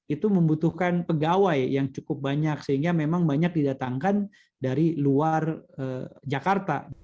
itu membutuhkan pegawai yang cukup banyak sehingga memang banyak didatangkan dari luar jakarta